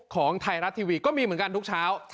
ของไทยรัฐทีวีก็มีเหมือนกันทุกเช้า